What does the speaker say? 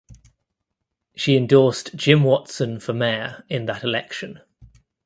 She endorsed Jim Watson for mayor in that election.